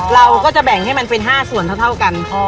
เราก็จะแบ่งให้มันเป็น๕ส่วนเท่ากัน